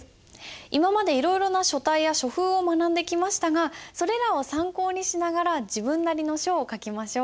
今までいろいろな書体や書風を学んできましたがそれらを参考にしながら自分なりの書を書きましょう。